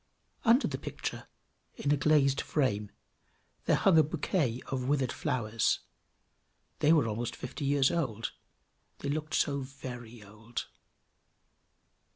Under the picture, in a glazed frame, there hung a bouquet of withered flowers; they were almost fifty years old; they looked so very old!